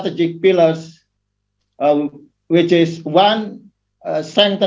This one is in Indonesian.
dengan pilihan strategis utama